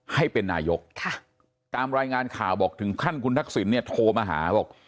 ให้เป็นนายกตามรายงานข่าวบอกถึงขั้นคุณทักษิณเนี่ยโทรมาหาบอก